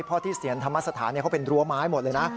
เพราะที่เสียนธรรมสถานเขาเป็นรั้วไม้หมดเลยนะ